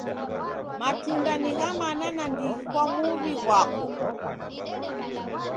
Matunda ni gha mana nandighi kwa muwi ghwako.